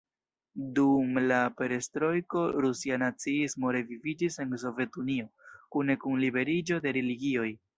Dum la Perestrojko, Rusia naciismo reviviĝis en Sovetunio, kune kun liberiĝo de religioj.